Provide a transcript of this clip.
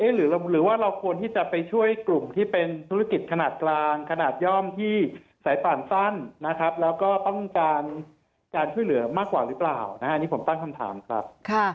หรือว่าเราควรที่จะไปช่วยกลุ่มที่เป็นธุรกิจขนาดกลางขนาดย่อมที่สายป่านสั้นนะครับแล้วก็ต้องการการช่วยเหลือมากกว่าหรือเปล่าอันนี้ผมตั้งคำถามครับ